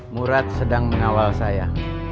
murad sedang mengawal saya